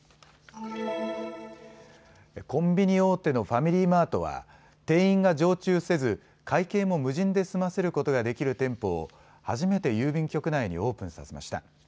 コンビニ大手のファミリーマートは店員が常駐せず会計も無人で済ませることができる店舗を初めて郵便局内にオープンさせました。